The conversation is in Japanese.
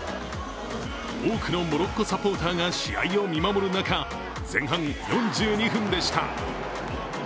多くのモロッコサポーターが試合を見守る中、前半４２分でした。